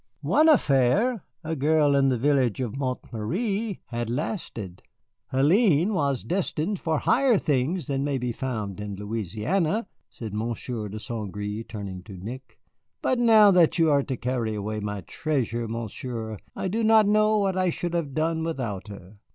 One affair a girl in the village of Montméry had lasted. Hélène was destined for higher things than may be found in Louisiana," said Monsieur de St. Gré, turning to Nick, "but now that you are to carry away my treasure, Monsieur, I do not know what I should have done without her."